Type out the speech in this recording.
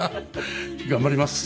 頑張ります。